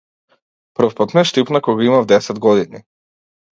Првпат ме штипна кога имав десет години.